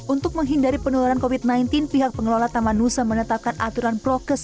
untuk menghindari penularan covid sembilan belas pihak pengelola taman nusa menetapkan aturan prokes